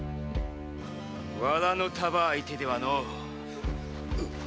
藁の束相手ではのう。